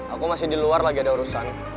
aku masih di luar lagi ada urusan